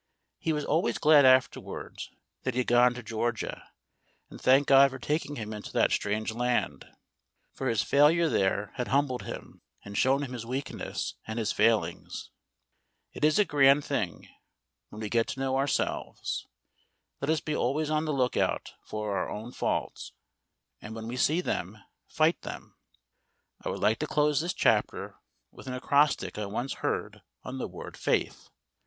He was always glad afterwards that he had gone to Georgia, and thanked God for taking him into that strange land, for his failure there had humbled him and shown him his weakness and his failings. It is a grand thing when we get to know ourselves. Let us be always on the look out for our own faults, and when we see them, fight them. I would like to close this chapter with an acrostic I once heard on the word "Faith."